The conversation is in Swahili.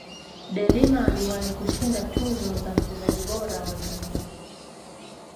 delima aliwahi kushinda tuzo ya mchezaji bora wa dunia